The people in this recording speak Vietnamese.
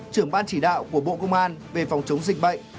trưởng ban chỉ đạo của bộ công an về phòng chống dịch bệnh